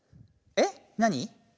えっ？何？